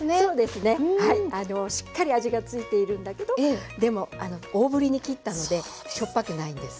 しっかり味がついているんだけどでも大ぶりに切ったのでしょっぱくないんです。